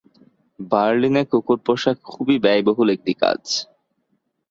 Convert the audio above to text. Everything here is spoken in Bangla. বার্লিনে কুকুর পোষা খুবই ব্যয়বহুল একটি কাজ।